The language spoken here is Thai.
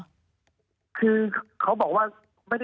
คือเขาบอกว่า